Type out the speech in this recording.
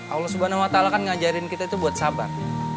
allah swt kan ngajarin kita itu buat sabar